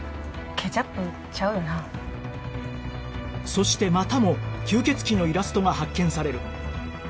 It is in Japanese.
そしてまたも吸血鬼のイラストが発見される